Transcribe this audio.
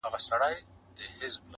زما پۀ زړۀ بلاندي د تورو ګزارونه كېدل,